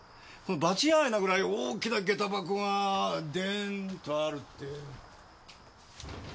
場違いなぐらい大きな下駄箱がデーンとあるって。